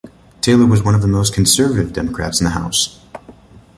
Taylor was one of the most conservative Democrats in the House.